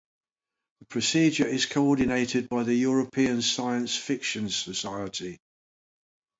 The procedure is coordinated by the European Science Fiction Society.